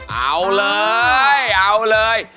เอาเลยเอาเลย